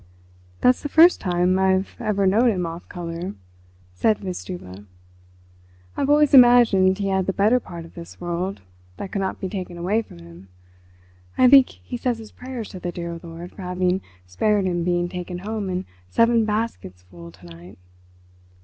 "That's the first time I've ever known him off colour," said Wistuba. "I've always imagined he had the better part of this world that could not be taken away from him. I think he says his prayers to the dear Lord for having spared him being taken home in seven basketsful to night.